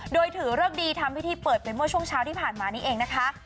โดยถือเลิกดีทำพิธีเปิดไปเมื่อช่วงเช้าที่ผ่านมานี้เองนะคะ